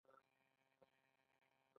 هغه د تاوده ماښام پر مهال د مینې خبرې وکړې.